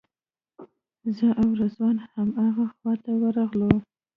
زه او رضوان همغه خواته ورغلو.